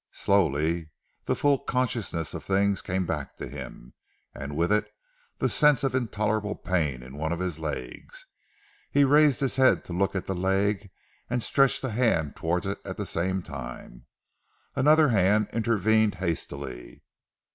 Slowly the full consciousness of things came back to him, and with it the sense of intolerable pain in one of his legs. He raised his head to look at the leg and stretched a hand towards it at the same time. Another hand intervened hastily.